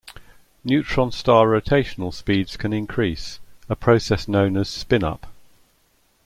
Neutron star rotational speeds can increase, a process known as spin up.